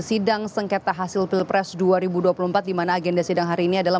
sidang sengketa hasil pilpres dua ribu dua puluh empat di mana agenda sidang hari ini adalah